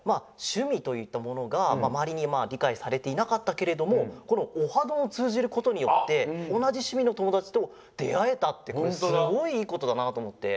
しゅみといったものがまわりにりかいされていなかったけれどもこの「オハどん！」をつうじることによっておなじしゅみのともだちとであえたってこれすごいいいことだなと思って。